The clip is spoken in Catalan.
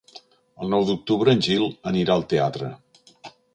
El nou d'octubre en Gil anirà al teatre.